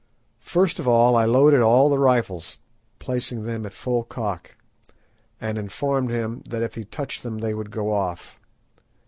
First of all I loaded all the rifles, placing them at full cock, and informed him that if he touched them they would go off.